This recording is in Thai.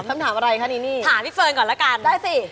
คำถามอะไรคะนีนี่ถามพี่เฟิร์นก่อนละกันได้สิ